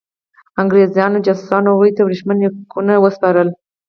انګرېزانو جاسوسانو هغوی ته ورېښمین لیکونه وسپارل.